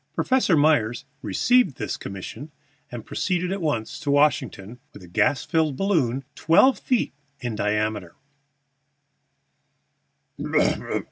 Professor Myers received this commission, and proceeded at once to Washington with a gas balloon twelve feet in diameter.